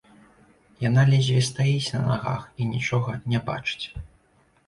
Яна ледзьве стаіць на нагах і нічога не бачыць.